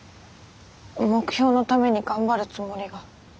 目標のために頑張るつもりが。